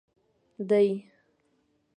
دي